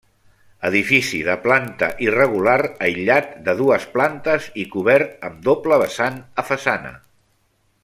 Edifici de planta irregular, aïllat, de dues plantes i cobert amb doble vessant a façana.